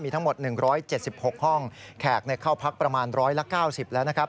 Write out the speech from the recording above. ทั้งหมด๑๗๖ห้องแขกเข้าพักประมาณ๑๙๐แล้วนะครับ